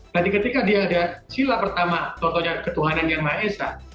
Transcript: berarti ketika dia ada sila pertama contohnya ketuhanan yang mahesa